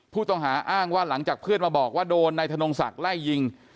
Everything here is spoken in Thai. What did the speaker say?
ผู้ต้องหาอ้างว่าหลังจากเพื่อนมาบอกว่าโดนนายธนงศักดิ์ไล่ยิง